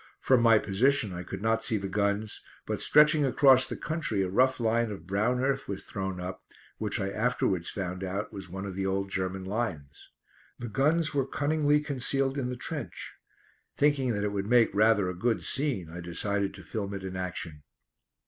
From my position I could not see the guns, but stretching across the country a rough line of brown earth was thrown up, which I afterwards found out was one of the old German lines. The guns were cunningly concealed in the trench. Thinking that it would make rather a good scene I decided to film it in action.